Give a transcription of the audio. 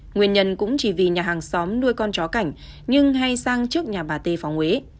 nguyên nhân cũng chỉ vì nhà hàng xóm nuôi con chó cảnh nhưng hay sang trước nhà bà t phòng huế